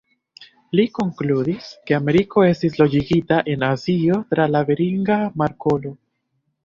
Li konkludis, ke Ameriko estis loĝigita el Azio tra la Beringa Markolo.